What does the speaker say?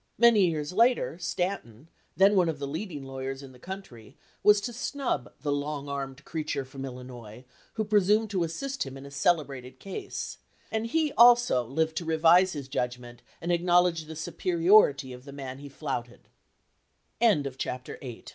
Many years later, Stanton, then one of the leading lawyers in the country, was to snub "the long armed creature from Illinois" who presumed to assist him in a celebrated case; and he also lived to revise his judgment and acknowledge the su